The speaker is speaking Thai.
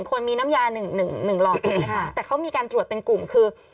๑คนมีน้ำยา๑รอบแต่เขามีการตรวจเป็นกลุ่มคือ